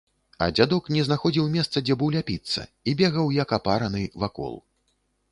А дзядок не знаходзіў месца, дзе б уляпіцца, і бегаў, як апараны, вакол.